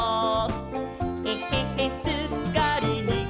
「えへへすっかりにっこりさん！」